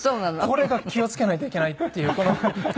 これが気を付けないといけないっていうこの。